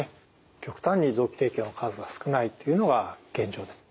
極端に臓器提供の数が少ないっていうのが現状です。